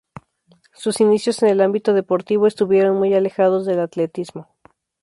Sus inicios en el ámbito deportivo estuvieron muy alejados del atletismo.